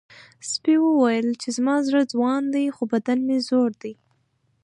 سپي وویل چې زما زړه ځوان دی خو بدن مې زوړ دی.